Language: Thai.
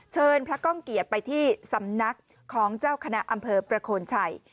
เชิญพระก้องเกียจไปที่สำนักของเจ้าคณะอำเภอประโคนชัย